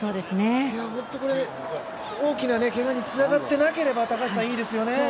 本当に大きなけがにつながっていなければ、いいですよね。